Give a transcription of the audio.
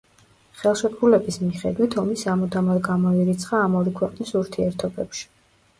ხელშეკრულების მიხედვით ომი სამუდამოდ გამოირიცხა ამ ორი ქვეყნის ურთიერთობებში.